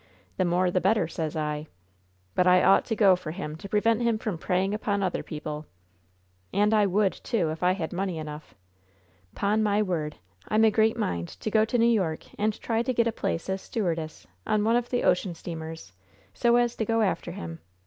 The more, the better, sez I! But I ought to go for him to prevent him from preying upon other people! And I would, too, if I had money enough! 'Pon my word, I'm a great mind to go to New York and try to get a place as stewardess on one of the ocean steamers, so as to go after him!